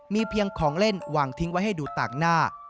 มีเพียงของเล่นวางทิ้งไว้ให้ดูต่างหน้า